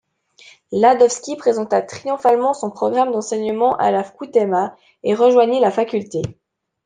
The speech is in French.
Ladovski présenta triomphalement son programme d'enseignement à la Vkhoutemas et rejoignit la faculté.